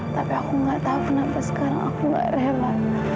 tapi aku gak tau kenapa sekarang aku gak rela